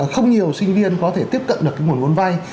không nhiều sinh viên có thể tiếp cận được cái nguồn vốn vay